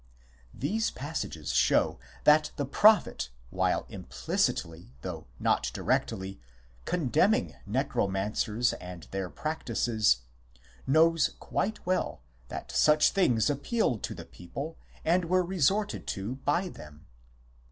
These passages show that the prophet, while implicitly, though not directly, condemning necromancers and their practices, knows quite well that such things appealed to the people and were resorted to by them.